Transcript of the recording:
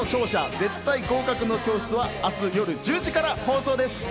絶対合格の教室ー』は明日夜１０時から放送です。